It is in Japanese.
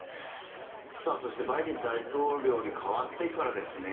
そして、バイデン大統領に代わってからですね